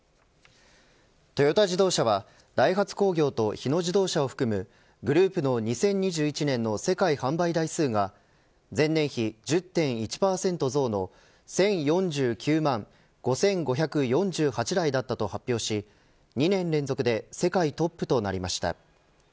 トヨタ自動車はダイハツ工業と日野自動車を含むグループの２０２１年の世界販売台数が前年比１０．１％増の１０４９万５５４８台だったと発表し２年連続で世界トップとなりました。